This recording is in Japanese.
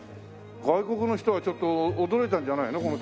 外国の人はちょっと驚いたんじゃないの？